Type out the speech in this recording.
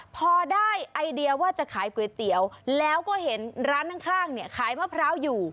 พอได้ไอเดียว่าจะขายก๋วยเตี๋ยวแล้วก็เห็นร้านข้างเนี่ยขายมะพร้าวอยู่